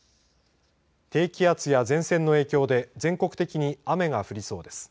低気圧や前線の影響で全国的に雨が降りそうです。